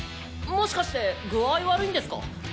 もしかして具合悪いんですか？